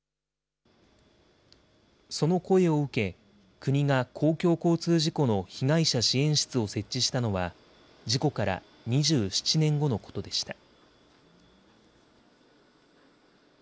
その声を受け、国が公共交通事故の被害者支援室を設置したのは事故から２７年後のことでした。